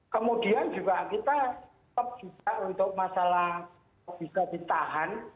kemudian juga kita tetap juga untuk masalah bisa ditahan